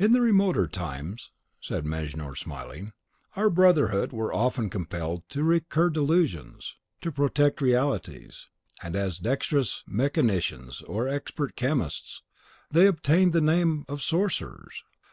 "In the remoter times," said Mejnour, smiling, "our brotherhood were often compelled to recur to delusions to protect realities; and, as dexterous mechanicians or expert chemists, they obtained the name of sorcerers.